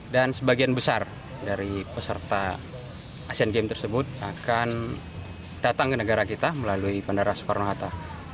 sebagian besar dari peserta asian games tersebut akan datang ke negara kita melalui bandara soekarno hatta